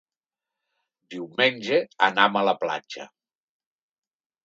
Diumenge anam a la platja.